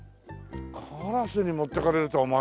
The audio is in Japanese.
カラスに持っていかれるとは思わなかったな。